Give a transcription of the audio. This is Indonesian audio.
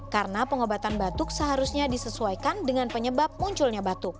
karena pengobatan batuk seharusnya disesuaikan dengan penyebab munculnya batuk